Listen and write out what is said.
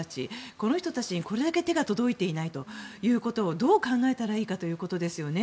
この人たちにこれだけ手が届いていないということをどう考えたらいいかということですよね。